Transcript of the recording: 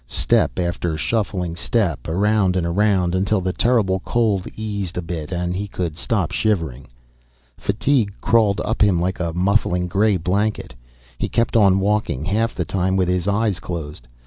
Step after shuffling step, around and around, until the terrible cold eased a bit and he could stop shivering. Fatigue crawled up him like a muffling, gray blanket. He kept on walking, half the time with his eyes closed.